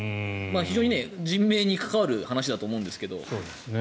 非常に人命に関わる話だと思うんですけど。